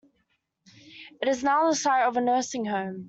It is now the site of a nursing home.